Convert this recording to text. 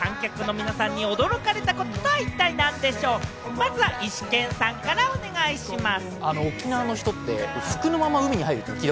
まずはイシケンさんからお願いします。